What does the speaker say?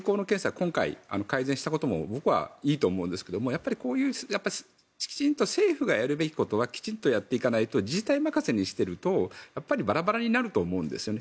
今回、改善したことも僕はいいと思うんですけどこういうきちんと政府がやるべきことはきちんとやっていかないと自治体任せにしているとバラバラになると思うんですよね。